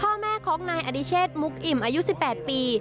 พ่อแม่ของนายอดิเชษมุกอิ่มอายุ๑๘ปี